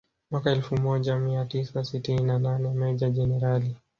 Mwaka elfu moja mia tisa sitini na nane Meja Jenerali